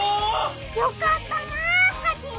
よかったなハジメ！